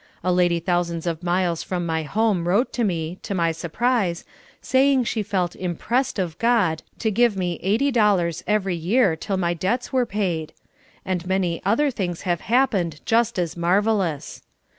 A lady thousands of miles from my home wTote me, to my surprise, saying she felt impressed of God to give me $80 every year till my debts were paid ; and many other things have happened just as marvelous.